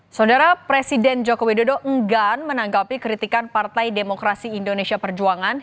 saudara presiden joko widodo enggan menanggapi kritikan partai demokrasi indonesia perjuangan